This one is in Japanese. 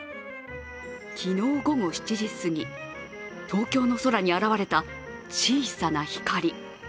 昨日、午後７時すぎ、東京の空に現れた小さな光。